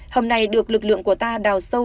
hầm này được lực lượng của ta đào sâu